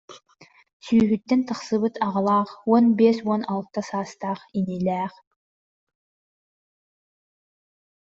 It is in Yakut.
Сүүһүттэн тахсыбыт аҕалаах, уон биэс-уон алта саастаах инилээх